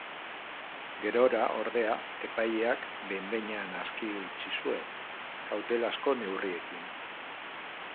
Gerora, ordea, epaileak behin-behinean aske utzi zuen, kautelazko neurriekin.